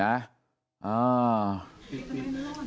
อ้าว